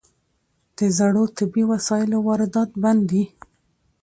د زړو طبي وسایلو واردات بند دي؟